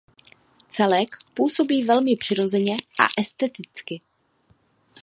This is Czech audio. Celek působí velmi přirozeně a esteticky.